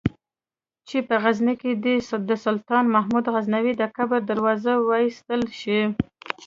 چې په غزني کې دې د سلطان محمود غزنوي د قبر دروازې وایستل شي.